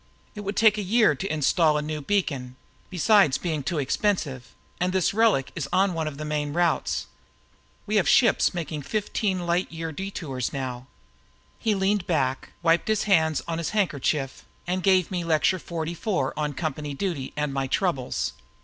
"It would take a year to install a new beacon besides being too expensive and this relic is on one of the main routes. We have ships making fifteen light year detours now." He leaned back, wiped his hands on his handkerchief and gave me Lecture Forty four on Company Duty and My Troubles.